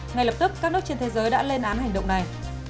ngay lập tức các nước trên thế giới đã lên án hành động này